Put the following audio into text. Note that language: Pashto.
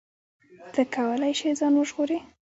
ته کولی شې ځان وژغورې.